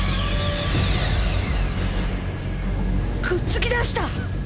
くっつきだした！